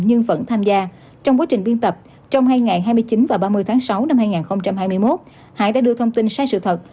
nhưng vẫn tham gia trong quá trình biên tập trong hai ngày hai mươi chín và ba mươi tháng sáu năm hai nghìn hai mươi một hải đã đưa thông tin sai sự thật